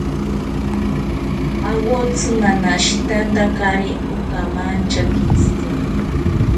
Awotsi nanashitantakari okamanchakitzini